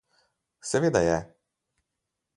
Seveda je.